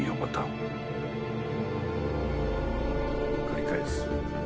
繰り返す。